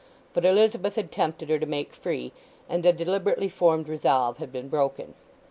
But Elizabeth had tempted her to make free, and a deliberately formed resolve had been broken.